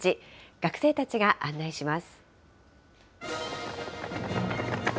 学生たちが案内します。